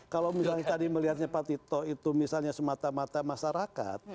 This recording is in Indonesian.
kalau misalnya tadi melihatnya pak tito itu misalnya semata mata masyarakat